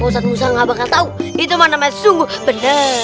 pas usah usah ga bakal tau itu mah namanya sungguh bener